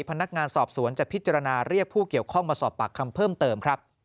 พนักงานสอบสวนจะพิจารณาเรียกผู้เกี่ยวข้องมาสอบปากคำเพิ่มเติมครับ